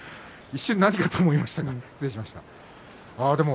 一瞬が誰かと思いました。